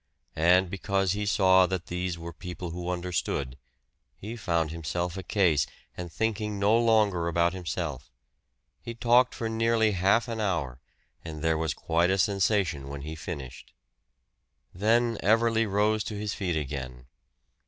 And because he saw that these were people who understood, he found himself a case, and thinking no longer about himself. He talked for nearly half an hour, and there was quite a sensation when he finished. Then Everley rose to his feet again.